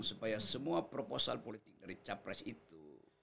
supaya semua proposal politik dari capres itu